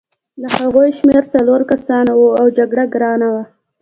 د هغوی شمېر څلور کسان وو او جګړه ګرانه وه